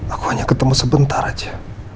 aku hanya ketemu sebentar aja